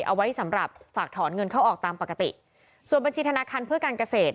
เอาไว้สำหรับฝากถอนเงินเข้าออกตามปกติส่วนบัญชีธนาคารเพื่อการเกษตร